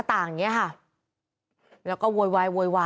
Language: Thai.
พุ่งเข้ามาแล้วกับแม่แค่สองคน